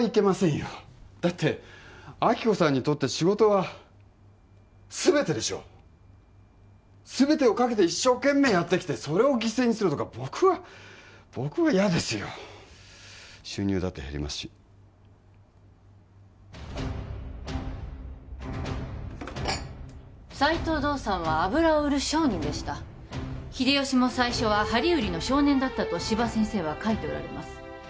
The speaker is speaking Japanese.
よだって亜希子さんにとって仕事は全てでしょう全てを懸けて一生懸命やってきてそれを犠牲にするとか僕は僕は嫌ですよ収入だって減りますし斎藤道三は油を売る商人でした秀吉も最初は針売りの少年だったと司馬先生は書いておられます